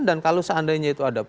dan kalau seandainya itu ada